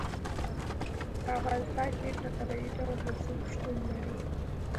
په افغانستان کې په طبیعي ډول رسوب شتون لري.